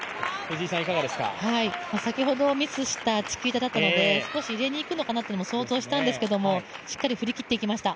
先ほどミスしたチキータだったので少し入れにいくのかなと想像したんですけどもしっかり振り切っていきました。